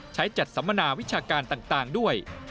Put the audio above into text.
ใช้จัดสัมมนาวิชาการต่างด้วย